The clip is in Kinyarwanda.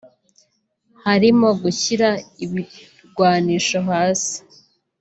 harimo gushyira ibirwanisho hasi